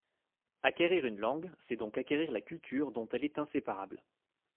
Acquérir une langue, c’est donc acquérir la culture dont elle est inséparable.